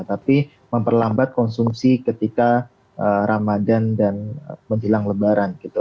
tapi memperlambat konsumsi ketika ramadan dan menjilang lebaran gitu